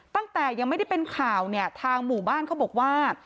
ตั้งแต่ยังไม่ได้เป็นข่าวเนี่ยทางหมู่บ้านเขาบอกว่า